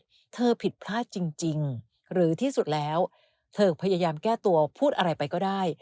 เธอผิดพลาดจริงหรือที่สุดแล้วเธอพยายามแก้ตัวพูดอะไรไปก็ได้